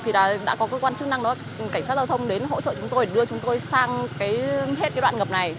thì đã có cơ quan chức năng cảnh sát giao thông đến hỗ trợ chúng tôi để đưa chúng tôi sang hết cái đoạn ngập này